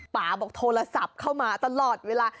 ป่าบอกโทรศัพท์เข้ามาตลอดเวลา